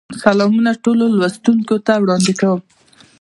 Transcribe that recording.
سلامونه ټولو لوستونکو ته وړاندې کوم.